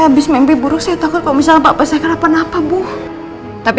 habis mimpi buruk saya takut kalau misalnya bapak saya kenapa napa bu tapi